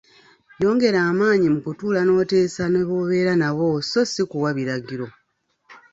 Yongera amaanyi mu kutuula n'oteesa ne b'obeera nabo sso si kuwa biragiro.